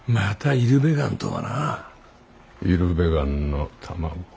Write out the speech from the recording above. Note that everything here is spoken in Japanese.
イルベガンの卵。